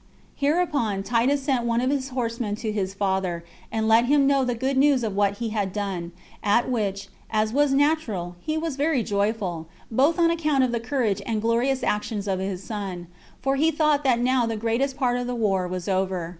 Hereupon Titus sent one of his horsemen to his father, and let him know the good news of what he had done; at which, as was natural, he was very joyful, both on account of the courage and glorious actions of his son; for he thought that now the greatest part of the war was over.